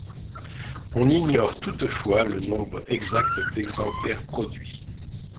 On ignore toutefois le nombre exact d'exemplaires produits.